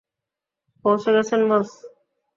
পৌঁছে গেছেন, বস।